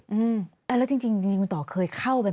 แต่ได้ยินจากคนอื่นแต่ได้ยินจากคนอื่น